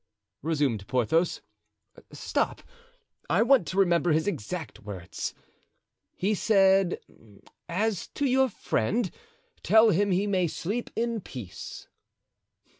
resumed Porthos. "Stop, I want to remember his exact words. He said, 'As to your friend, tell him he may sleep in peace.